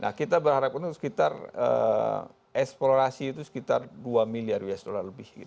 nah kita berharap untuk sekitar eksplorasi itu sekitar dua miliar us dollar lebih gitu